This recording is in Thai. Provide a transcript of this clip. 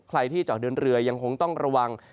ใครที่เจาะเดินเรือยังคงต้องระวัง